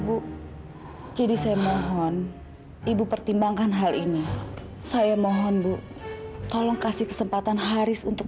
bu jadi saya mohon ibu pertimbangkan hal ini saya mohon bu tolong kasih kesempatan haris untuk